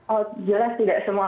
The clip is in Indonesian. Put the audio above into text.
oh jelas tidak semua